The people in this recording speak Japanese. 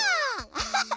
アハハ！